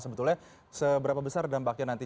sebetulnya seberapa besar dampaknya nanti